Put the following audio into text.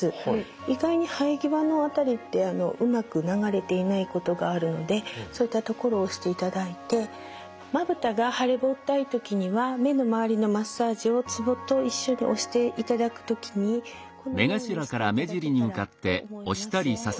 意外に生え際の辺りってうまく流れていないことがあるのでそういったところを押していただいてまぶたが腫れぼったい時には目の周りのマッサージをツボと一緒に押していただく時にこのようにしていただけたらと思います。